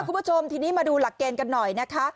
คุณผู้ชมทีนี้มาดูหลักเกณฑ์กันหน่อยนะคะ